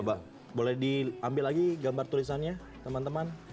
mbak boleh diambil lagi gambar tulisannya teman teman